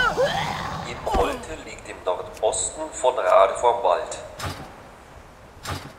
Im Holte liegt im Nordosten von Radevormwald.